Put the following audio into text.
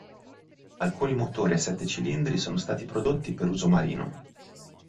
Alcuni motori a sette cilindri sono stati prodotti per uso marino.